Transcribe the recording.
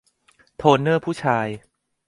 โทนเนอร์ผู้ชาย